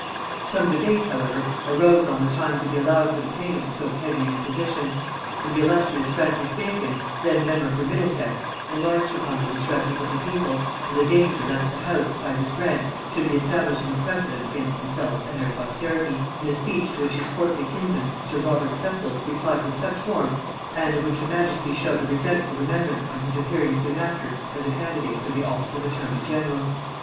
Some debate, however, arose on the time to be allowed for the payment of so heavy an imposition; and the illustrious Francis Bacon, then member for Middlesex, enlarged upon the distresses of the people, and the danger lest the house, by this grant, should be establishing a precedent against themselves and their posterity, in a speech to which his courtly kinsman sir Robert Cecil replied with much warmth, and of which her majesty showed a resentful remembrance on his appearing soon after as a candidate for the office of attorney general.